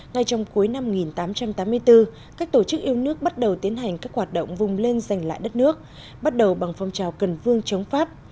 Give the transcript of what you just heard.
ngay trong cuối năm một nghìn tám trăm tám mươi bốn các tổ chức yêu nước bắt đầu tiến hành các hoạt động vùng lên giành lại đất nước bắt đầu bằng phong trào cần vương chống pháp